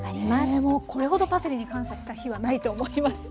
ねえもうこれほどパセリに感謝した日はないと思います。